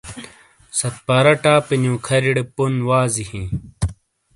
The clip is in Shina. سَدپارہ ٹاپے نِیو کھارِیڑے پون وازی ہِیں۔